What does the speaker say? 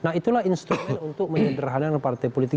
nah itulah instrumen untuk menyederhanakan partai politik